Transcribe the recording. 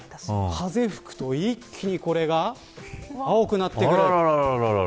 風が吹くと一気にこれが青くなってくる。